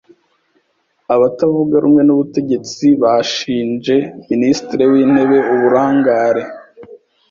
Abatavuga rumwe n’ubutegetsi bashinje minisitiri w’intebe uburangare.